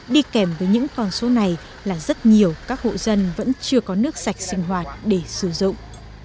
đi kèm với những con số này là rất nhiều các hộ dân vẫn chưa có nước sạch sinh hoạt để sử dụng